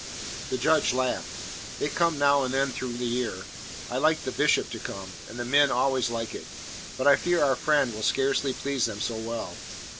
The Judge laughed. "They come now and then through the year. I like the bishop to come. And the men always like it. But I fear our friend will scarcely please them so well."